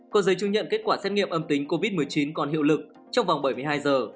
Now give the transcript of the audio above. có giấy chứng nhận kết quả xét nghiệm âm tính covid một mươi chín còn hiệu lực trong vòng bảy mươi hai giờ